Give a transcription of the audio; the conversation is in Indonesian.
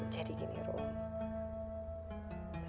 jadi gini rum